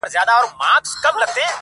پر سر یې واوري اوروي پای یې ګلونه-